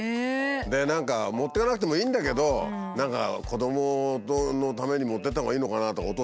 で何か持ってかなくてもいいんだけど何か子どものために持ってったほうがいいのかな？とかお父さん思っちゃうんじゃないの。